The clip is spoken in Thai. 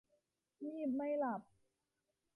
งีบไม่หลับ